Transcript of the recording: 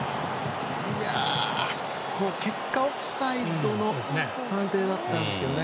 結果、オフサイドの判定だったんですけどね。